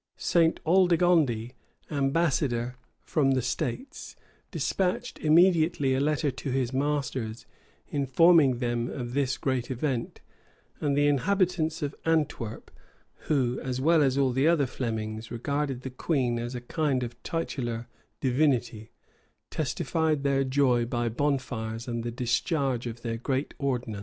St. Aldegonde, ambassador from the states, despatched immediately a letter to his masters, informing them of this great event; and the inhabitants of Antwerp, who, as well as the other Flemings, regarded the queen as a kind of titular divinity, testified their joy by bonfires and the discharge of their great ordnance.